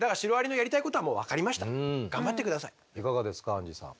アンジェさん。